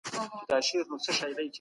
اسلام د فقر د ختمولو غوښتونکی دی.